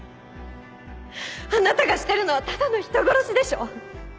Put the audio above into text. あなたがしてるのはただの人殺しでしょ！